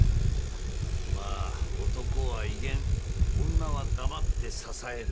まあ男は威厳女は黙って支える